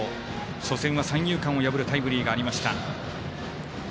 初戦は三遊間を破るタイムリーがありました。